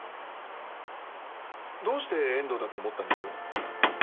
どうして遠藤だと思ったんです？